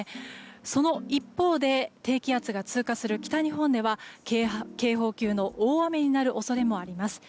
その一方で低気圧が通過する北日本では警報級の大雨になる恐れもあります。